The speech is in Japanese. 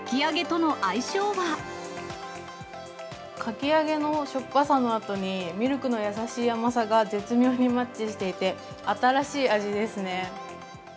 かき揚げのしょっぱさのあとに、ミルクの優しい甘さが絶妙にマッチしていて、新しい味ですね。